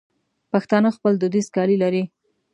پښتانه خپل دودیز کالي لري.